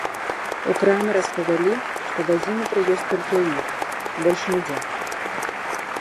У краме распавялі, што дазіметры ёсць толькі ў іх, больш нідзе.